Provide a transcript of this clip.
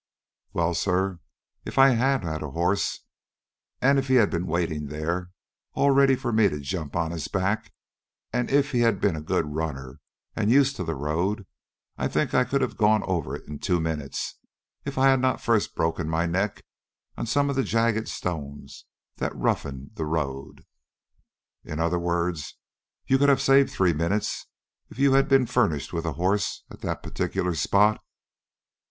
"Well, sir, if I had had a horse, and if he had been waiting there, all ready for me to jump on his back, and if he had been a good runner and used to the road, I think I could have gone over it in two minutes, if I had not first broken my neck on some of the jagged stones that roughen the road." "In other words, you could have saved three minutes if you had been furnished with a horse at that particular spot?"